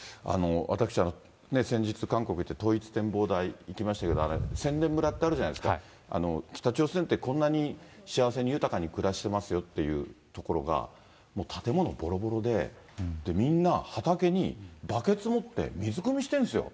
私、先日、韓国に行って、統一展望台、行きましたけど、せんでん村ってあるじゃないですか、北朝鮮ってこんなに幸せに豊かに暮らしてますよっていうところが、建物ぼろぼろで、みんな畑にバケツ持って水くみしてるんですよ。